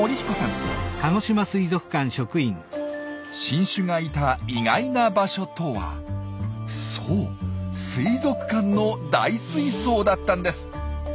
新種がいた意外な場所とはそう水族館の大水槽だったんです！